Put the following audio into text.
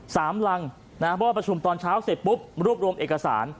หลังนะฮะเพราะว่าประชุมตอนเช้าเสร็จปุ๊บรวบรวมเอกสาร